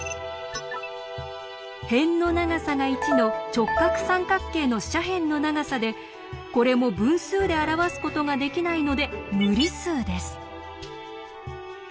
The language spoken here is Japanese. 辺の長さが１の直角三角形の斜辺の長さでこれも分数で表すことができないので無理数です。